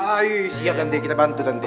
ayo siap tante kita bantu tante